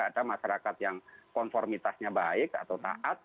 ada masyarakat yang konformitasnya baik atau taat